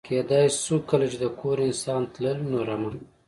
کېدای شو کله چې د کور انسان تلل، نو رمه.